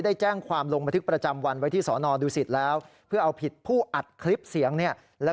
ได้แจ้งความลงบันทึกประจำวันไว้ที่สอนอดูสิตแล้ว